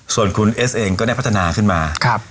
ส่วนคุณเอสเองก็ได้พัฒนาขึ้นมา